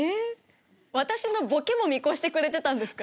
私のボケも見越してくれてたんですか？